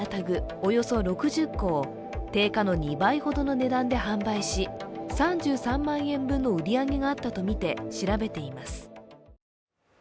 およそ６０個を定価の２倍ほどの値段で販売し３３万円分の売り上げがあったとみて調べています。